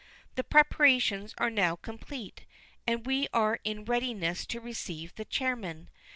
The preparations are now complete, and we are in readiness to receive the chairman.